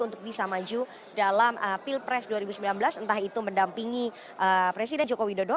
untuk bisa maju dalam pilpres dua ribu sembilan belas entah itu mendampingi presiden joko widodo